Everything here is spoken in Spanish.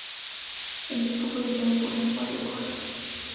El disco fue editado por Acqua Records.